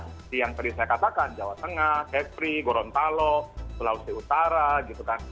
seperti yang tadi saya katakan jawa tengah ketri gorontalo sulawesi utara gitu kan